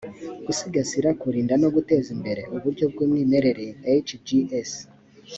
gusigasira kurinda no guteza imbere uburyo bw umwimerere hgs